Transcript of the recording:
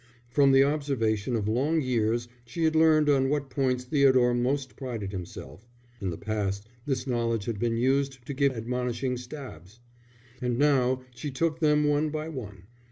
From the observation of long years she had learnt on what points Theodore most prided himself, (in the past this knowledge had been used to give little admonishing stabs,) and now she took them one by one.